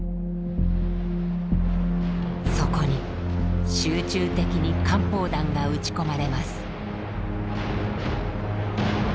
そこに集中的に艦砲弾が撃ち込まれます。